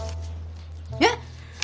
えっ！